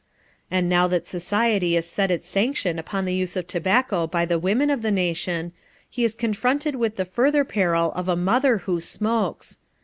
And now that society has set its sanction upon the use of tobacco by the women of the nation, he is confronted with the further peril of a mother who smokes.